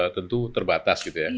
tentu terbatas gitu ya